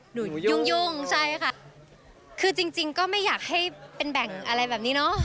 ยุ่งยุ่งใช่ค่ะคือจริงจริงก็ไม่อยากให้เป็นแบ่งอะไรแบบนี้เนอะ